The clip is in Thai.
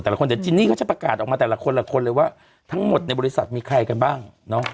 แต่จินนี่ก็จะประกาศออกมาแต่ละคนทั้งหมดในบริษัทมีใครกันบ้าง